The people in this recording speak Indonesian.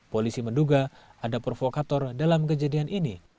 polisi menduga ada provokator dalam kejadian ini